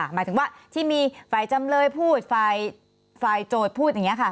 หมายถึงว่าที่มีฝ่ายจำเลยพูดฝ่ายโจทย์พูดอย่างนี้ค่ะ